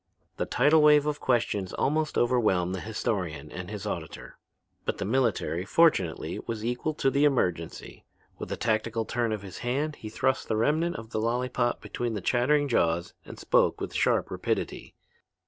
The tidal wave of questions almost overwhelmed the historian and his auditor. But the military, fortunately, was equal to the emergency. With a tactical turn of his hand he thrust the remnant of the lollypop between the chattering jaws and spoke with sharp rapidity.